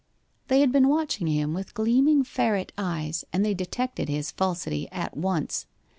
They had been watching him with gleaming ferret eyes, and they detected his falsity at once.